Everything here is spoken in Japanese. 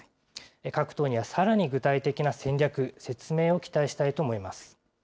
各党にはさらに具体的な戦略、説明を期待したいと思います。